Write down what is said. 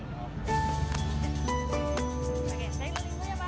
oke saya keliling dulu ya pak